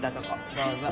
どうぞ。